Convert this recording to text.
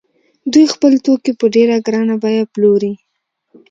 دوی خپل توکي په ډېره ګرانه بیه پلوري